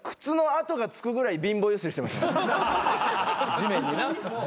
・地面にな。